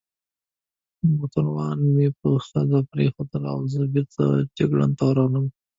موټروانان مې په خزه کې پرېښوول او زه بېرته جګړن ته ورغلم.